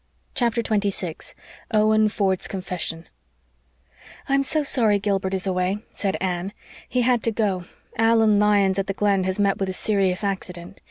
CHAPTER 26 OWEN FORD'S CONFESSION "I'm so sorry Gilbert is away," said Anne. "He had to go Allan Lyons at the Glen has met with a serious accident.